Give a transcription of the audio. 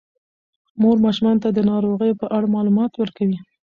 مور ماشومانو ته د ناروغیو په اړه معلومات ورکوي.